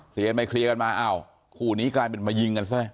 เคลียร์กันไม่เคลียร์กันมาอ้าวคู่นี้กลายเป็นมายิงกันซะ